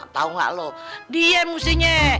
tau gak lo dia yang mestinya